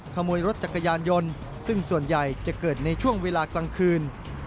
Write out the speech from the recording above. ขโมยรถจักรยานยนต์ซึ่งส่วนใหญ่จะเกิดในช่วงเวลากลางคืน